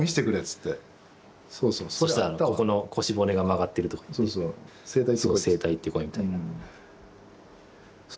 そしたらここの腰骨が曲がってるとかいって「整体行ってこい」みたいな。